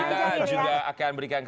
kita juga akan berikan